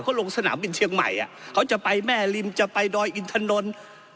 เขาลงสนามบินเชียงใหม่เขาจะไปแม่ริมจะไปดอยอินถนน